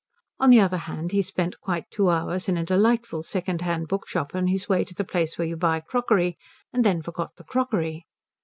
On the other hand he spent quite two hours in a delightful second hand bookshop on his way to the place where you buy crockery, and then forgot the crockery.